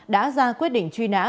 đã ra quyết định truy nã